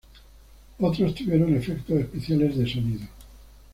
Otros tuvieron efectos especiales de sonido.